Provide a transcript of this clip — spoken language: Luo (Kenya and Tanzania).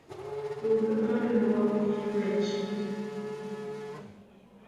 Rudh od luok gi ywech